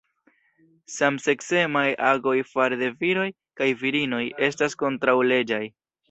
Samseksemaj agoj fare de viroj kaj virinoj estas kontraŭleĝaj.